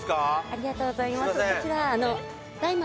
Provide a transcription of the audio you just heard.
・ありがとうございます